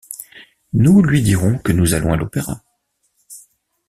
Nous lui dirons que nous allons à l'Opéra.